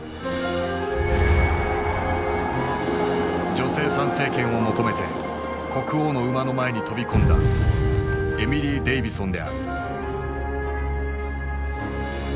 女性参政権を求めて国王の馬の前に飛び込んだエミリー・デイヴィソンである。